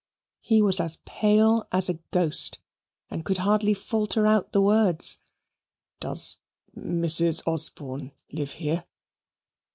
He was as pale as a ghost and could hardly falter out the words "Does Mrs. Osborne live here?"